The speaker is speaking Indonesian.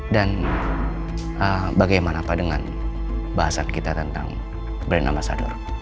dan bagaimana pak dengan bahasan kita tentang brand ambasador